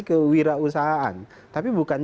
kewirausahaan tapi bukan